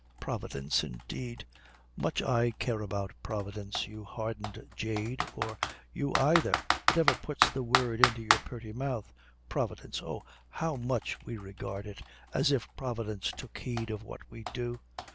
Providence, indeed! Much I care about Providence, you hardened jade, or you aither, whatever puts the word into your purty mouth. Providence! oh, how much we regard it, as if Providence took heed of what we do.